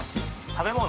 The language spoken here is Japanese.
食べ物？